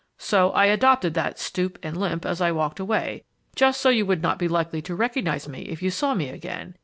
So I adopted that stoop and limp as I walked away, just so you would not be likely to recognize me if you saw me again.